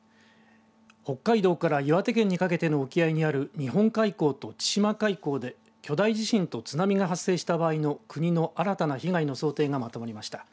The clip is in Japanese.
北海道から岩手県にかけての沖合にある日本海溝と千島海溝で巨大地震と津波が発生した場合の国の新たな被害の想定がまとまりました。